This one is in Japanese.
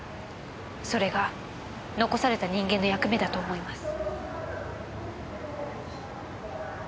それが残された人間の役目だと思います。